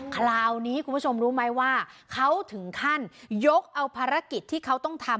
คราวนี้คุณผู้ชมรู้ไหมว่าเขาถึงขั้นยกเอาภารกิจที่เขาต้องทำ